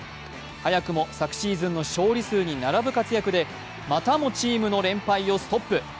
早くも昨シーズンの勝利数に並ぶ活躍でまたもチームの連敗をストップ。